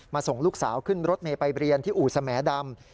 ส่งลูกสาวขึ้นรถเมย์ไปเรียนที่อู่สแหมดำ